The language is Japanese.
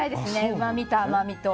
うまみと、甘みと。